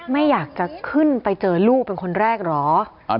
ไม่อยากจะขึ้นไปเจอลูกเป็นคนแรกเหรอ